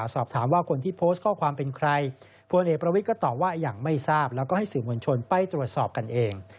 สอบถามว่าคนที่โพสต์ข้อความเป็นใครพลเอกประวิทย์ก็ตอบว่ายังไม่ทราบแล้วก็ให้สื่อมวลชนไปตรวจสอบกันเอง